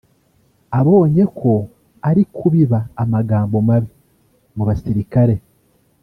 abonye ko ari kubiba amagambo mabi mu basirikare